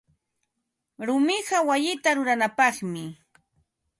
Rumiqa wayita ruranapaqmi.